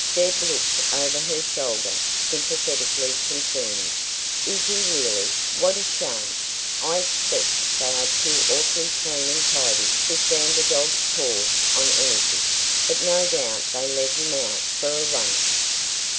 Deb looked over her shoulder, sympathetically concerned. "Is he really? What a shame! I expect they are too awfully clean and tidy to stand a dog's paws on anything; but no doubt they let him out for a run."